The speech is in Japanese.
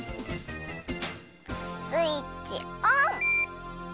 スイッチオン！